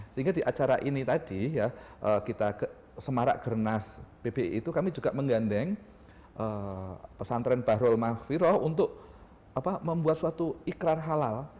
sehingga di acara ini tadi ya kita semarak gernas pbi itu kami juga menggandeng pesantren bahrul mahfiroh untuk membuat suatu ikran halal